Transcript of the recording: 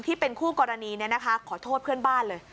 ที่เป็นคู่กรณีเนี่ยนะคะขอโทษเพื่อนบ้านเลย